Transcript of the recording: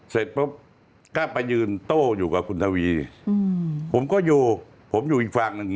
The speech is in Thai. เสร็จปุ๊บก็ไปยืนโต้อยู่กับคุณทวีผมก็อยู่ผมอยู่อีกฝั่งหนึ่ง